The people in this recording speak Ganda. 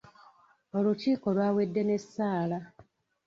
Olukiiko lwawedde n'essaala.